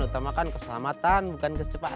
utamakan keselamatan bukan kecepatan